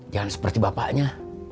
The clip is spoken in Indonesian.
jangan seperti bapaknya